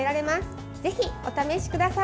ぜひ、お試しください。